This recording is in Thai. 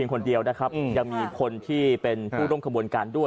คนเดียวนะครับยังมีคนที่เป็นผู้ร่วมขบวนการด้วย